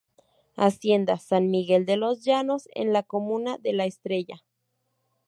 Hacienda San Miguel de los Llanos en la comuna de La Estrella.